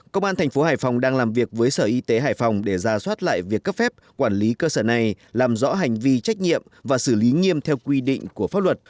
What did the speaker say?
công an thành phố hải phòng đang làm việc với sở y tế hải phòng để ra soát lại việc cấp phép quản lý cơ sở này làm rõ hành vi trách nhiệm và xử lý nghiêm theo quy định của pháp luật